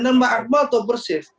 dan mas akmal tahu persis